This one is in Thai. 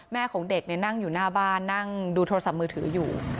ของเด็กนั่งอยู่หน้าบ้านนั่งดูโทรศัพท์มือถืออยู่